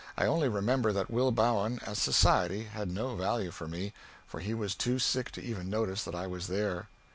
I only remember that Will Bowen, as society, had no value for me, for he was too sick to even notice that I was there.